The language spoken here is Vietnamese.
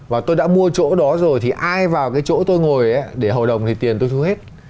và tôi đã mua chỗ đó rồi thì ai vào cái chỗ tôi ngồi để hầu đồng thì tiền tôi thu hết